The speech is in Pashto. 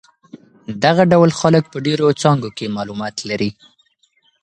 دغه ډول خلک په ډېرو څانګو کې معلومات لري.